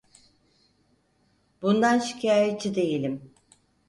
Bundan şikâyetçi değilim.